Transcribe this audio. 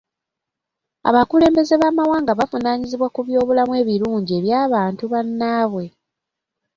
Abakulembeze b'amawanga bavunaanyizibwa ku byobulamu ebirungi eby'antu bannaabwe.